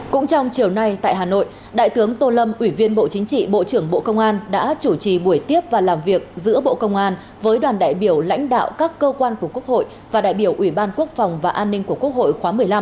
cũng trong chiều nay tại hà nội đại tướng tô lâm ủy viên bộ chính trị bộ trưởng bộ công an đã chủ trì buổi tiếp và làm việc giữa bộ công an với đoàn đại biểu lãnh đạo các cơ quan của quốc hội và đại biểu ủy ban quốc phòng và an ninh của quốc hội khóa một mươi năm